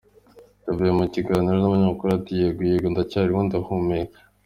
Yavugiye mu kigairo n'abanyamakuru ati: "Yego, yego, ndacyariho ndahumeka".